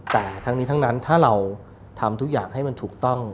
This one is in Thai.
แต่ทั้งนี้ทั้งนั้นถ้าเราทำทุกอย่างให้มันถูกต้อง